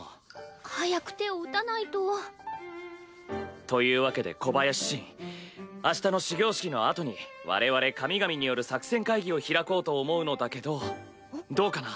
早く手を打たないと。というわけで小林神明日の始業式のあとに我々神々による作戦会議を開こうと思うのだけどどうかな？